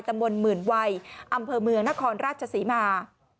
ตำบลหมื่นวัยอำเภอเมืองนครราชศรีมา